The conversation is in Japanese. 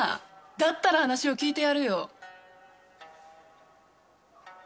だったら話を聞いてやるよ。